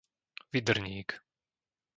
Vydrník